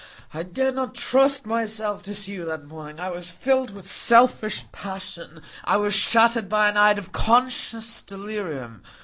"I dared not trust myself to see you that morning; I was filled with selfish passion; I was shattered by a night of conscious delirium.